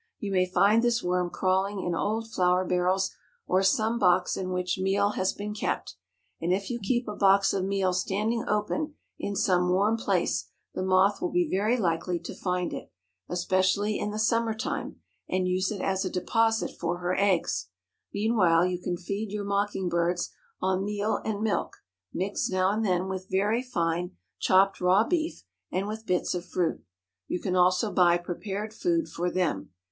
You may find this worm crawling in old flour barrels or some box in which meal has been kept; and if you keep a box of meal standing open in some warm place, the moth will be very likely to find it, especially in the summer time, and use it as a deposit for her eggs. Meanwhile you can feed your mocking birds on meal and milk, mixed now and then with very fine chopped raw beef and with bits of fruit. You can also buy prepared food for them.